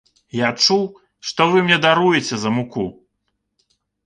Я чуў, што вы мне даруеце за муку.